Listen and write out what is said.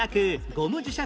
ゴム磁石。